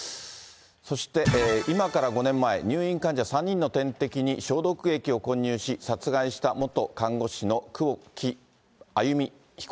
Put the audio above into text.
そして今から５年前、入院患者３人の点滴に消毒液を混入し、殺害した元看護士の久保木愛弓被告。